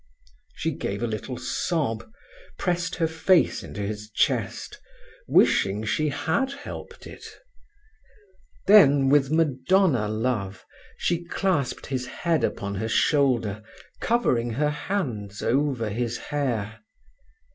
She gave a little sob, pressed her face into his chest, wishing she had helped it. Then, with Madonna love, she clasped his head upon her shoulder, covering her hands over his hair.